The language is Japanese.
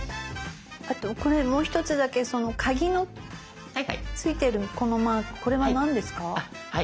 あとこれもう一つだけその鍵のついてるこのマークこれは何ですか？